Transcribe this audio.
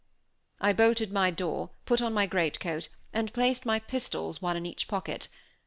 I bolted my door, put on my greatcoat, and placed my pistols one in each pocket.